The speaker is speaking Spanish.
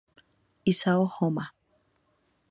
Isao Homma